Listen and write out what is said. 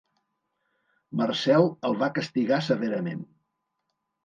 Marcel el va castigar severament.